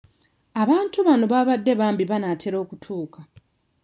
Abantu bano babadde bambi banaatera okutuuka.